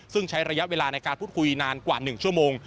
ซึ่งใช้ระยะเวลาในการพูดคุยนานกว่า๑ชั่วโมง